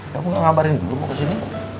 kamu gak ngabarin dulu mau kesini